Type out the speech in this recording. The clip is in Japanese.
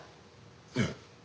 ええ。